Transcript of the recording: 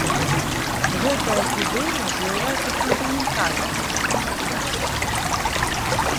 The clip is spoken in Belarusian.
Гэтая ідэя з'яўляецца фундаментальнаю ў хрысціянстве.